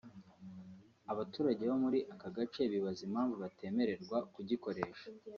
Abaturage bo muri aka gace bibaza impamvu batemererwa kugikoresha